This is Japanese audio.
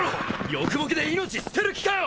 欲ボケで命捨てる気かよ！